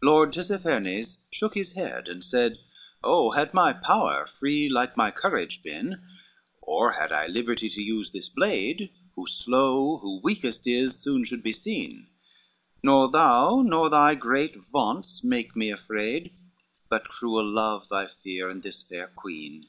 LXXIII Lord Tisiphernes shook his head, and said, "Oh, had my power free like my courage been, Or had I liberty to use this blade, Who slow, who weakest is, soon should be seen, Nor thou, nor thy great vaunts make me afraid, But cruel love I fear, and this fair queen."